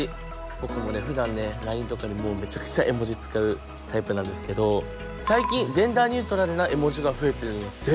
僕もねふだんねＬＩＮＥとかでもうめちゃくちゃ絵文字使うタイプなんですけど最近ジェンダーニュートラルな絵文字が増えてるんやって。